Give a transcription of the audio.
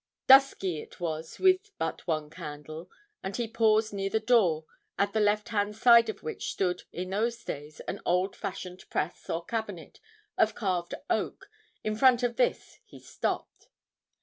Dusky it was with but one candle; and he paused near the door, at the left hand side of which stood, in those days, an old fashioned press or cabinet of carved oak. In front of this he stopped.